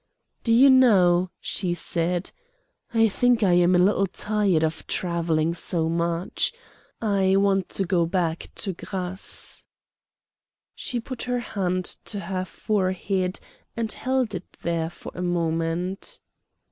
"Do you know," she said, "I think I am a little tired of travelling so much. I want to go back to Grasse." She put her hand to her, forehead and held it there for a moment.